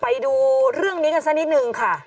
ไปดูเรื่องนี้กันสักนิดนึงค่ะ